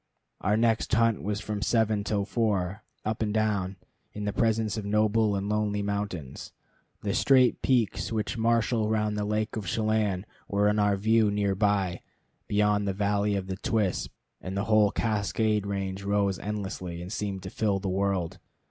Our next hunt was from seven till four, up and down, in the presence of noble and lonely mountains. The straight peaks which marshal round the lake of Chelan were in our view near by, beyond the valley of the Twispt, and the whole Cascade range rose endlessly, and seemed to fill the world.